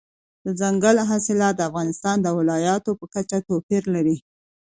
دځنګل حاصلات د افغانستان د ولایاتو په کچه توپیر لري.